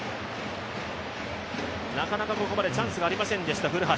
なかなかここまでチャンスがありませんでした、古橋。